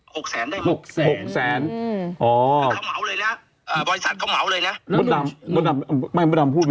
หกแสนได้หกแสนหกแสนออเขาเหมำออกเลยน่ะ